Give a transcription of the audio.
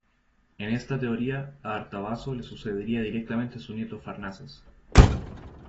En esta teoría, a Artabazo le sucedería directamente su nieto Farnaces.